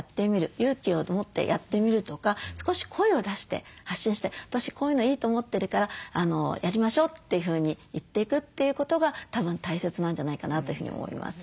勇気を持ってやってみるとか少し声を出して発信して「私こういうのいいと思ってるからやりましょう」というふうに言っていくということがたぶん大切なんじゃないかなというふうに思います。